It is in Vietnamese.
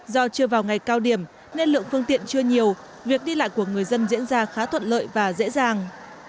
do chưa vào ngày cao điểm nên lượng phương tiện chưa nhiều việc đi lại của người dân diễn ra khá thuận lợi và dễ dàng